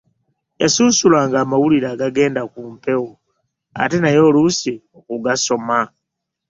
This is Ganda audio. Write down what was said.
Yasunsulanga amawulire agagenda ku mpewo ate naye oluusi okugasoma.